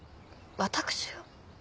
私を？